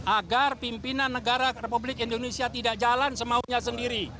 agar pimpinan negara republik indonesia tidak jalan semaunya sendiri